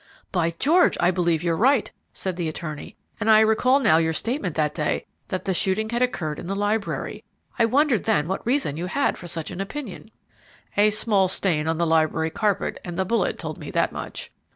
"By George! I believe you're right," said the attorney; "and I recall now your statement that day, that the shooting had occurred in the library; I wondered then what reason you had for such an opinion." "A small stain on the library carpet and the bullet told me that much.